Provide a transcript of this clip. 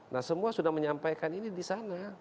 nah semua sudah menyampaikan ini di sana